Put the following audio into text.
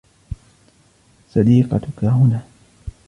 صديقتك هنا.